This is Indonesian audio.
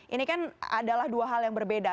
ini kan adalah dua hal yang berbeda